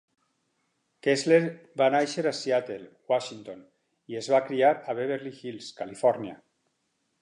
Kessler va néixer a Seattle, Washington, i es va criar a Beverly Hills, Califòrnia.